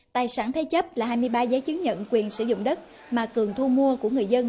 tài sản thế chấp là hai mươi ba giấy chứng nhận quyền sử dụng đất mà cường thu mua của người dân